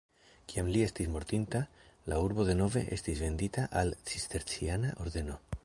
Kiam li estis mortinta, la urbo denove estis vendita al cisterciana ordeno.